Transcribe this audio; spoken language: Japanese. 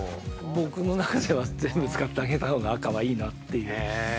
◆僕の中では、全部使ってあげたほうが赤は、いいなっていう。